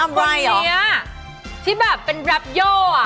คนเนี้ยที่แบบเป็นแรปโย่อ่ะ